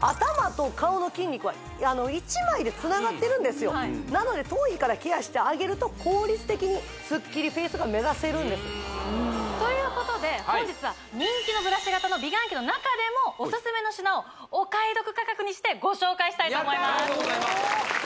頭と顔の筋肉は一枚でつながってるんですよなので頭皮からケアしてあげると効率的にスッキリフェイスが目指せるんですということで本日は人気のブラシ型の美顔器の中でもオススメの品をお買い得価格にしてご紹介したいと思いますやった！